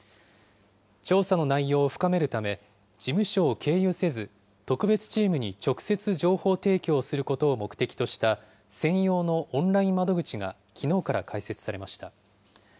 調査の内容を深めるため、事務所を経由せず、特別チームに直接情報提供することを目的とした専用のオンライン窓口が、きのうから開設されました。